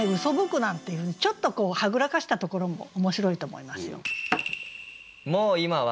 「嘯く」なんていうちょっとはぐらかしたところも面白いと思いますよ。